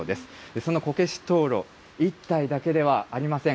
そのこけし灯ろう、１体だけではありません。